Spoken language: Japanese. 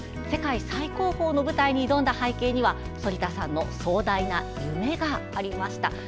世界最高峰の舞台に挑んだ背景には反田さんの壮大な夢がありました。